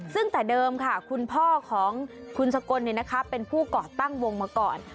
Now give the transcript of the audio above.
ซึ่งแต่เดิมค่ะคุณพ่อของคุณสกลเป็นผู้ก่อตั้งวงมาก่อน